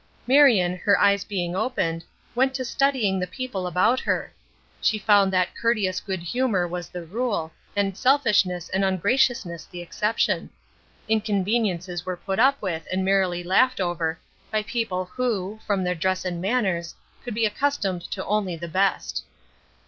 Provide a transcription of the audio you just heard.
Marion, her eyes being opened, went to studying the people about her. She found that courteous good humor was the rule, and selfishness and ungraciousness the exception. Inconveniences were put up with and merrily laughed over by people who, from their dress and manners, could be accustomed to only the best.